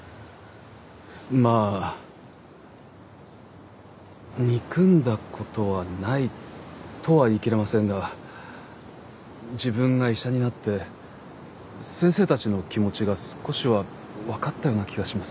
まあ憎んだ事はないとは言いきれませんが自分が医者になって先生たちの気持ちが少しはわかったような気がします。